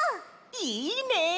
いいね！